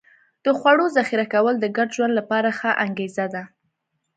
د خوړو ذخیره کول د ګډ ژوند لپاره ښه انګېزه ده.